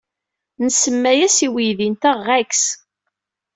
Nsemma-as i weydi-nteɣ Rex.